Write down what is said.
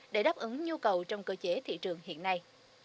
để đáp ứng nhu cầu trong cơ chế thị trường hiện nay